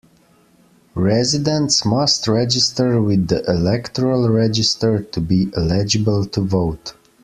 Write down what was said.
Residents must register with the electoral register to be eligible to vote.